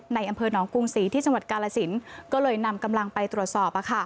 ในอำเภอหนองกรุงศรีที่จังหวัดกาลสินก็เลยนำกำลังไปตรวจสอบ